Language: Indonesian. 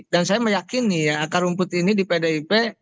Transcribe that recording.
dan saya meyakini akar rumput ini di pdip